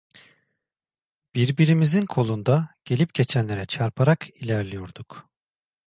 Birbirimizin kolunda, gelip geçenlere çarparak ilerliyorduk.